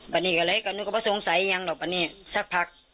บันนี้ก็เลยก็นูก็ไม่สงสัยอย่างหรอกบันนี้สักพัก